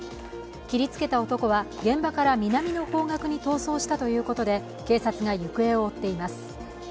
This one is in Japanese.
切りつけた男は、現場から南の方角に逃走したということで警察が行方を追っています。